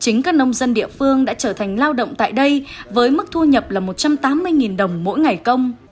chính các nông dân địa phương đã trở thành lao động tại đây với mức thu nhập là một trăm tám mươi đồng mỗi ngày công